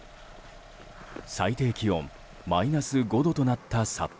最低気温マイナス５度となった札幌。